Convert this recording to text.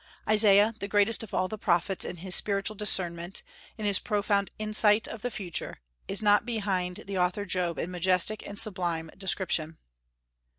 Isaiah, the greatest of all the prophets in his spiritual discernment, in his profound insight of the future, is not behind the author of Job in majestic and sublime description.